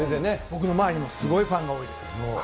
僕の周りにもすごいファンが多いです。